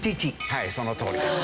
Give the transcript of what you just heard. はいそのとおりです。